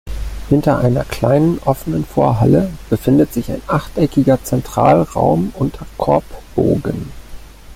Hinter einer kleinen offenen Vorhalle befindet sich ein achteckiger Zentralraum unter Korbbogen.